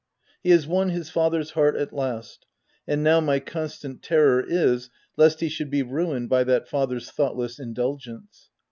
He has won his father's heart at last ; and now my constant terror is, lest he should be ruined by that father's thoughtless indulgence.